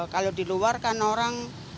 kalau di luar kan orang